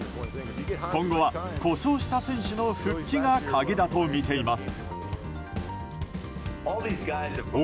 今後は、故障した選手の復帰が鍵だとみています。